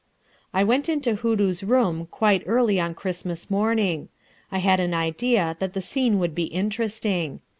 I went into Hoodoo's room quite early Christmas morning. I had an idea that the scene would be interesting.